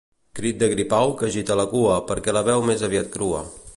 Crit de gripau que agita la cua perquè la veu més aviat crua.